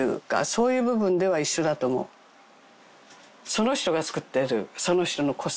その人が作ってるその人の個性。